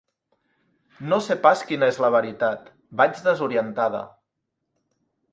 No sé pas quina és la veritat, vaig desorientada.